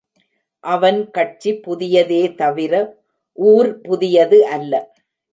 அவன் காட்சி புதியதே தவிர ஊர் புதியது அல்ல.